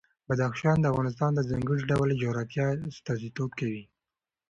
بدخشان د افغانستان د ځانګړي ډول جغرافیه استازیتوب کوي.